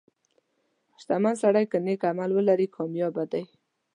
• شتمن سړی که نیک عمل ولري، کامیابه دی.